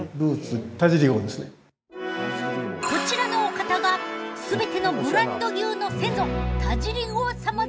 こちらのお方が全てのブランド牛の先祖田尻号様であるぞ。